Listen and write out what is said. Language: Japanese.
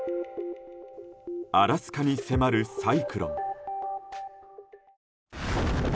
アラスカに迫るサイクロン。